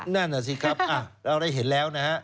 นั่นแหละสิครับเราได้เห็นแล้วนะครับ